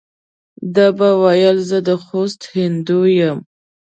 ده به ویل زه د خوست هندو یم.